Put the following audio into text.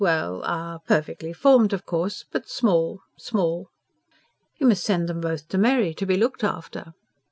well, ah ... perfectly formed, of course, but small small." "You must send them both to Mary, to be looked after."